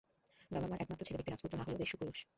বাবা-মার একমাত্র ছেলে, দেখতে রাজপুত্র না হলেও বেশ সুপুরুষ।